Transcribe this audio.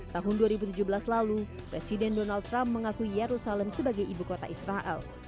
tahun dua ribu tujuh belas lalu presiden donald trump mengaku yerusalem sebagai ibu kota israel